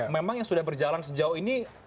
memang yang sudah berjalan sejauh ini